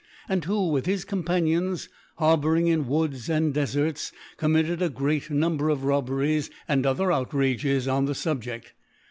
and who, with his Companions, harbouring in Woods and De farts, committed a great Number of Robbe rics and other Outrages on the Subjeft.